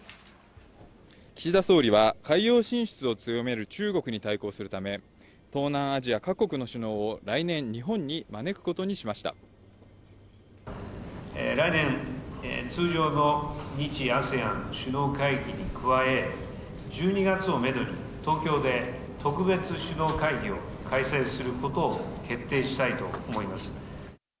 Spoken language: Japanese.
岸田総理は海洋進出を強める中国に対抗するため、東南アジア各国の首脳を来年、来年、通常の日・ＡＳＥＡＮ首脳会議に加え、１２月をメドに、東京で特別首脳会議を開催することを決定したいと思います。